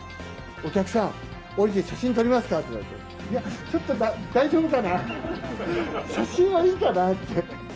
お客さん、降りて写真撮りますか？って言われて、いや、ちょっと大丈夫かな、写真はいいかなって。